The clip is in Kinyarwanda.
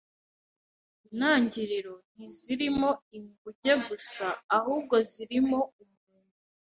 Intangiriro ntizirimo inguge gusa, ahubwo zirimo umuntu.